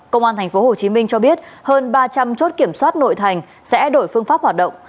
công an tp hcm cho biết hơn ba trăm linh chốt kiểm soát nội thành sẽ đổi phương pháp hoạt động